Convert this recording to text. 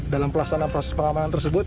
dalam pelaksanaan proses pengamanan